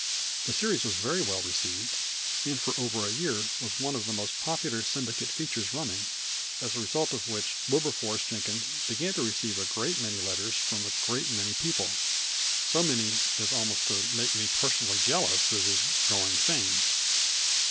The series was very well received, and for over a year was one of the most popular syndicate features running, as a result of which Wilberforce Jenkins began to receive a great many letters from a great many people so many as almost to make me personally jealous of his growing fame.